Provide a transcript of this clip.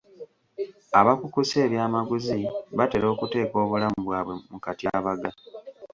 Abakukusa eby'amaguzi batera okuteeka obulamu bwabwe mu katyabaga.